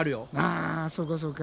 あそうかそうか。